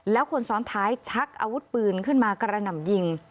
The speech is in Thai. แล้วคนซ้อนท้ายชักอาวุธปืนขึ้นมากระหน่ำยิง